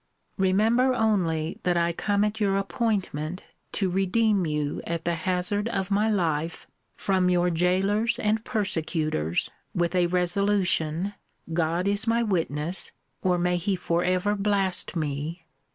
Remember only, that I come at your appointment, to redeem you, at the hazard of my life, from your gaolers and persecutors, with a resolution, God is my witness, or may he for ever blast me!